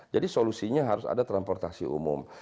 solusinya harus ada transportasi umum